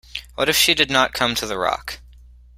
What if she did not come to the rock.